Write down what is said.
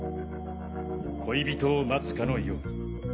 恋人を待つかのように。